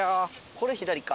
これ左か？